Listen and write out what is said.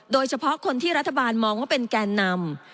โดยเฉพาะคนที่รัฐบาลมองว่าเป็นแกนนำ